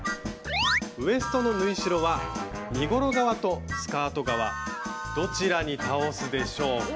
ウエストの縫い代は身ごろ側とスカート側どちらに倒すでしょうか？